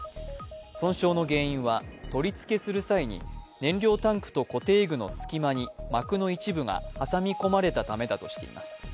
損傷の原因は取り付けする際に燃料タンクと固定具の隙間に膜の一部が挟み込まれたためだとしています。